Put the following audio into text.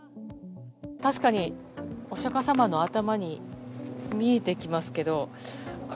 確かに、お釈迦様の頭に見えてきますけど。